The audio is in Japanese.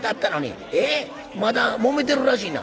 まだもめてるらしいな」。